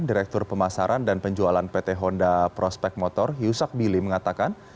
direktur pemasaran dan penjualan pt honda prospek motor yusak bili mengatakan